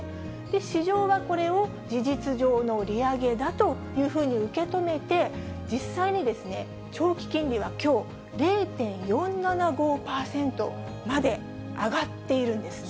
市場はこれを事実上の利上げだというふうに受け止めて、実際にですね、長期金利はきょう、０．４７５％まで上がっているんですね。